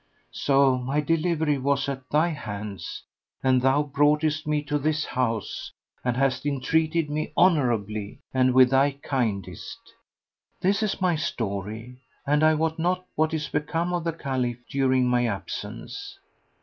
So my delivery was at thy hands, and thou broughtest me to this house and hast entreated me honourably and with thy kindest. This is my story, and I wot not what is become of the Caliph during my absence.